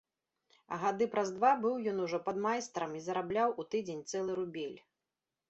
А гады праз два быў ён ужо падмайстрам і зарабляў у тыдзень цэлы рубель.